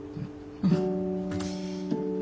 うん。